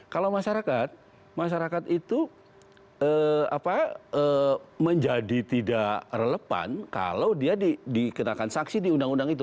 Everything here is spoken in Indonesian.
kalau masyarakat masyarakat itu menjadi tidak relevan kalau dia dikenakan saksi di undang undang itu